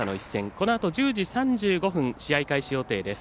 このあと１０時３５分試合開始予定です。